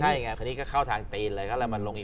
ใช่ไงทีนี้ก็เข้าทางตีนเลยแล้วมันลงอีก